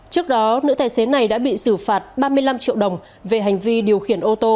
trước đó nữ tài xế này đã bị xử phạt ba mươi năm triệu đồng về hành vi điều khiển ô tô